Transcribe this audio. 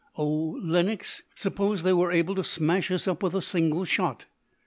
Oh, Lenox, suppose they were able to smash us up with a single shot."